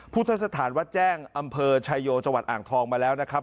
พุทธสถานวัดแจ้งอำเภอชายโยจังหวัดอ่างทองมาแล้วนะครับ